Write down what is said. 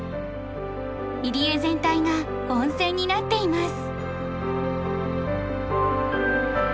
入り江全体が温泉になっています。